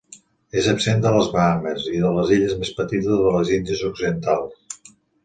És absent de les Bahames i de les illes més petites de les Índies Occidentals.